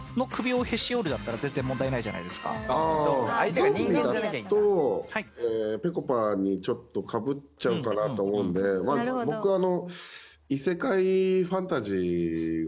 ゾンビだとぺこぱにちょっとかぶっちゃうかなと思うので僕あの。